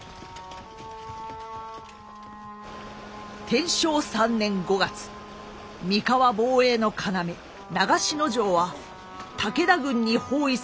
天正３年５月三河防衛の要長篠城は武田軍に包囲され落城寸前でございました。